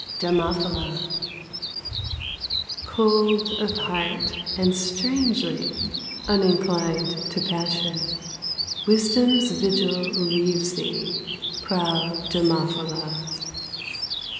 DAMOPHYLA Cold of heart and strangely Uninclined to passion, Wisdom's vigil leaves thee, Proud Damophyla.